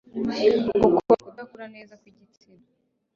Uko nuKudakura neza kw'igitsina